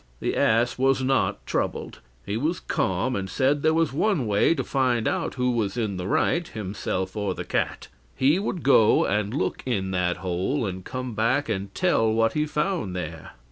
The ass was not troubled; he was calm, and said there was one way to find out who was in the right, himself or the cat: he would go and look in that hole, and come back and tell what he found there.